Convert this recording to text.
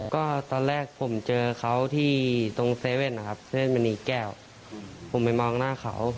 ก็ตอนแรกผมเจอเขาที่ตรงเซเว่นนะครับเส้นมณีแก้วผมไปมองหน้าเขา